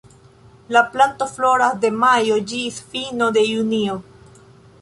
La planto floras de majo ĝis fino de junio.